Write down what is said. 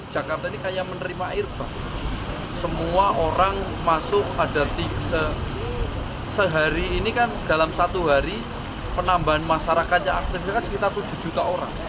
jakarta ini kayak menerima airbag semua orang masuk pada sehari ini kan dalam satu hari penambahan masyarakat yang aktif kan sekitar tujuh juta orang